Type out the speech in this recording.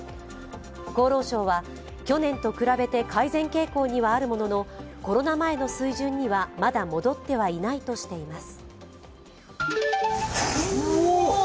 厚労省は、去年と比べて改善傾向にはあるものの、コロナ前の水準には、まだ戻ってはいないとしています。